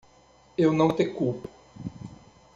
Eu não te culpo.